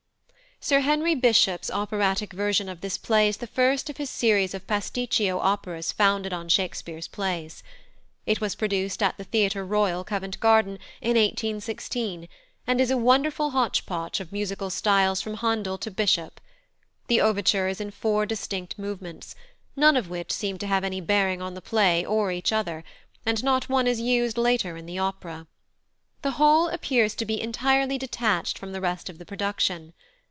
+Sir Henry Bishop's+ operatic version of this play is the first of his series of pasticcio operas founded on Shakespeare's plays. It was produced at the Theatre Royal, Covent Garden, in 1816, and is a wonderful hotch potch of musical styles from Handel to Bishop. The overture is in four distinct movements, none of which seem to have any bearing on the play or each other; and not one is used later in the opera. The whole appears to be entirely detached from the rest of the production.